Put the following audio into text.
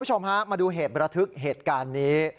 คุณผู้ชมฮะมาดูเหตุประทึกเหตุการณ์นี้